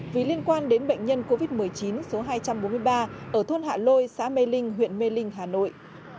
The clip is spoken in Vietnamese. vì liên quan đến bệnh nhân covid một mươi chín số hai trăm bốn mươi ba ở thôn hạ lôi xã mê linh huyện mê linh hà nội